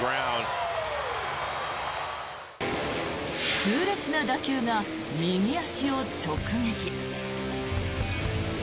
痛烈な打球が右足を直撃。